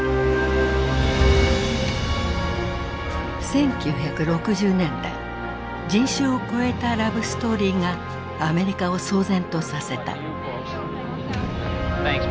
１９６０年代人種を越えたラブストーリーがアメリカを騒然とさせた。